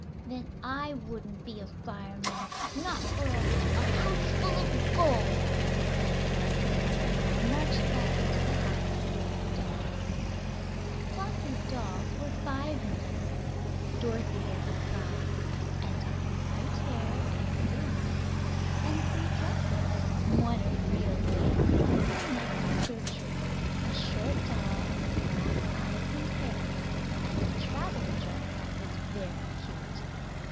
"Then I wouldn't be a fireman, not for a a house full of gold!" said Flossie, and marched back into the house with her doll. Flossie's dolls were five in number. Dorothy was her pride, and had light hair and blue eyes, and three dresses, one of real lace. The next was Gertrude, a short doll with black eyes and hair and a traveling dress that was very cute.